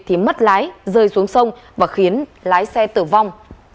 thì mất lái rơi xuống sông và khiến lái xe tử vong